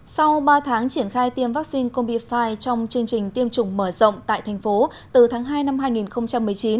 sau ba tháng triển khai tiêm vaccine combifi trong chương trình tiêm chủng mở rộng tại thành phố từ tháng hai năm hai nghìn một mươi chín